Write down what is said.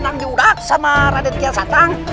senang diudak sama raden kian santang